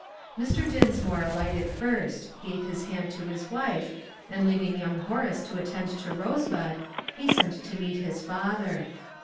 Mr. Dinsmore alighted first, gave his hand to his wife, and leaving young Horace to attend to Rosebud, hastened to meet his father.